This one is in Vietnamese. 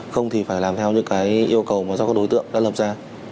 không thì phải làm theo những cái yêu cầu mà do các đối tượng đã lập ra